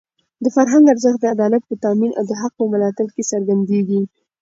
د فرهنګ ارزښت د عدالت په تامین او د حق په ملاتړ کې څرګندېږي.